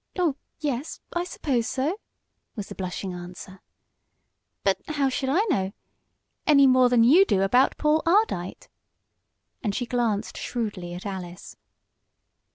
"Oh, yes, I suppose so," was the blushing answer. "But how should I know any more than you do about Paul Ardite?" and she glanced shrewdly at Alice.